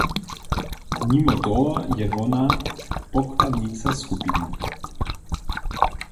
Nimo toho je wona pokładnica skupiny.